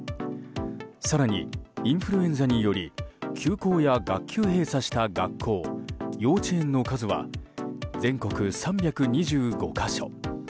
更にインフルエンザにより休校や学校閉鎖した学校幼稚園の数は全国３２５か所。